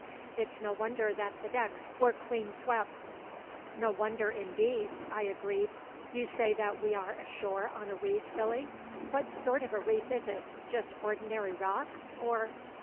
It's no wonder that the decks were clean swept." "No wonder, indeed," I agreed. "You say that we are ashore on a reef, Billy. What sort of a reef is it; just ordinary rocks, or